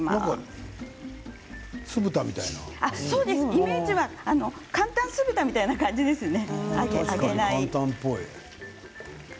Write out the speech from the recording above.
イメージは簡単酢豚みたいな感じですね。